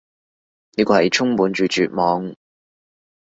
呢個係充滿住絕望